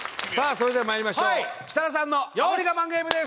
それではまいりましょう設楽さんのハモリ我慢ゲームです